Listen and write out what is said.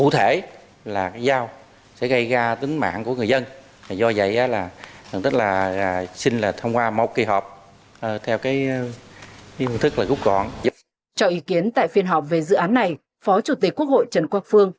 theo ý kiến tại phiên họp về dự án này phó chủ tịch quốc hội trần quang phương